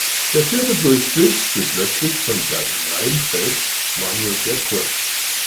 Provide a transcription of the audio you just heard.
Der vierte Durchstich südwestlich von Bergrheinfeld war nur sehr kurz.